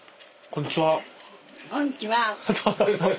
こんにちは。